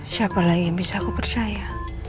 siapa lagi yang bisa aku percaya